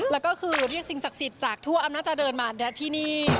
แล้วก็คือเรียกสิ่งศักดิ์สิทธิ์จากทั่วอำนาจเดินมาที่นี่